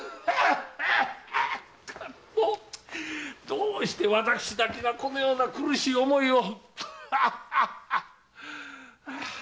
どうして私だけがこのような苦しい思いを。